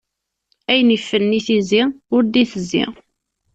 Ayen iflen i tizi, ur d-itezzi.